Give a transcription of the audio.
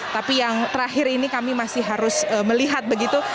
tapi yang terakhir ini kami masih harus melihat begitu